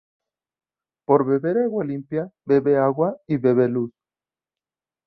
Por beber agua limpia, bebe agua y bebe luz.